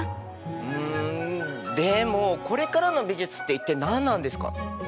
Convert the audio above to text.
うんでもこれからの美術って一体何なんですか？